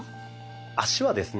足はですね